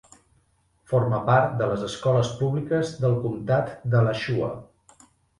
Forma part de les escoles públiques del comtat d"Alachua.